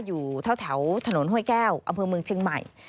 อยู่แถวถนนห้วยแก้วอำเภอเมืองเชียงใหม่